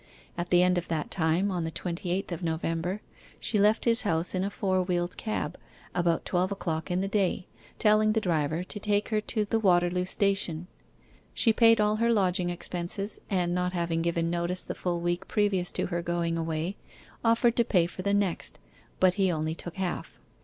At the end of that time, on the twenty eighth of November, she left his house in a four wheeled cab, about twelve o'clock in the day, telling the driver to take her to the Waterloo Station. She paid all her lodging expenses, and not having given notice the full week previous to her going away, offered to pay for the next, but he only took half.